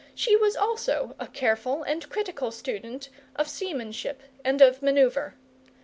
she was also a careful and critical student of seamanship and of manoeuvre.